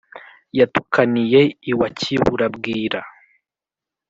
yatukaniye iwa kibura-bwira.